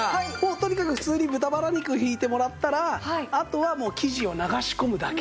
とにかく普通に豚バラ肉敷いてもらったらあとはもう生地を流し込むだけ。